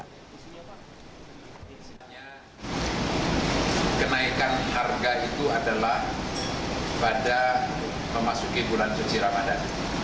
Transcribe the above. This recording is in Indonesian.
kenaikan harga itu adalah pada memasuki bulan cuci ramadan